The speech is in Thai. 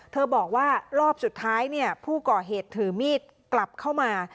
บอกว่ารอบสุดท้ายผู้ก่อเหตุถือมีดกลับเข้ามา